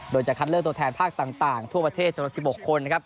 โดยจะคัดเลือกตัวแทนภาคต่างทั่วประเทศจำนวน๑๖คนนะครับ